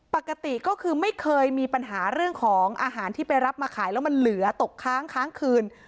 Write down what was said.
ปกติก็คือไม่เคยมีปัญหาเรื่องของอาหารที่ไปรับมาขายแล้วมันเหลือตกค้างค้างคืน